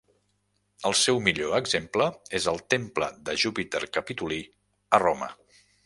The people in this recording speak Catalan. El seu millor exemple és el Temple de Júpiter Capitolí, a Roma.